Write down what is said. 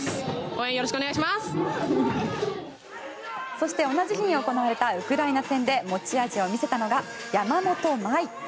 そして同じ日に行われたウクライナ戦で持ち味を見せたのが山本麻衣。